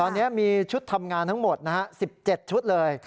ตอนนี้มีชุดทำงานทั้งหมด๑๗ชุดเลย